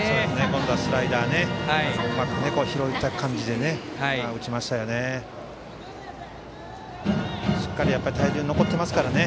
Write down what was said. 今度はスライダーをうまく拾った感じで打ちましたよね。